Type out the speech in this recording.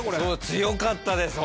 強かったです